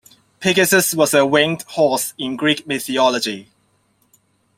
Pegasus was a winged horse in Greek mythology.